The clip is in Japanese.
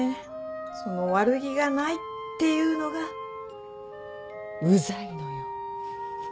その悪気がないっていうのがウザいのよ。